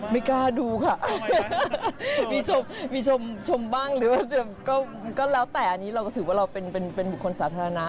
ไม่กล้าดูค่ะมีชมมีชมบ้างหรือว่าก็แล้วแต่อันนี้เราก็ถือว่าเราเป็นบุคคลสาธารณะ